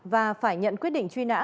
và phải nhận quyết định truy nã